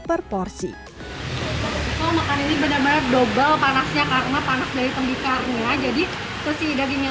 per porsi makan ini bener bener double panasnya karena panas dari kemikarnya jadi ke sini dagingnya